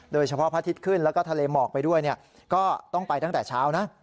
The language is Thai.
พระอาทิตย์ขึ้นแล้วก็ทะเลหมอกไปด้วยก็ต้องไปตั้งแต่เช้านะ